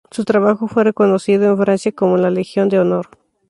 Su trabajo fue reconocido en Francia con la Legión de Honor.